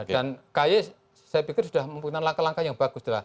dan kaye saya pikir sudah membutuhkan langkah langkah yang bagus